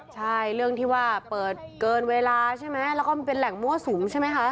ใช่เรื่องที่ว่าเปิดเกินเวลาใช่ไหมแล้วก็มันเป็นแหล่งมั่วสุมใช่ไหมคะ